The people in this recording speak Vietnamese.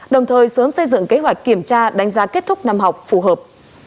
đồng thời sớm xây dựng kế hoạch kiểm tra đánh giá kết thúc năm học phù hợp